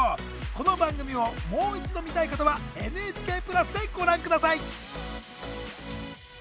この番組をもう一度見たい方はＮＨＫプラスでご覧下さい！